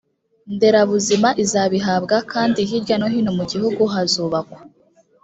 nderabuzima izabihabwa kandi hirya no hino mu gihugu hazubakwa